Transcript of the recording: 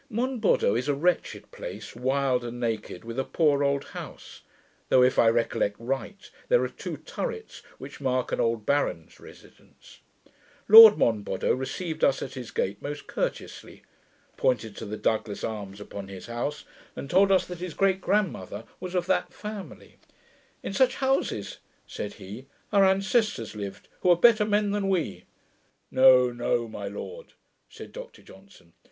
Monboddo is a wretched place, wild and naked, with a poor old house; though, if I recollect right, there are two turrets which mark an old baron's residence. Lord Monboddo received us at his gate most courteously; pointed to the Douglas arms upon his house, and told us that his great grandmother was of that family, 'In such houses,' said he, 'our ancestors lived, who were better men than we.' 'No, no, my lord,' said Dr Johnson.